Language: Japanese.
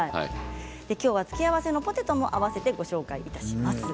きょうは付け合わせのポテトも合わせてご紹介します。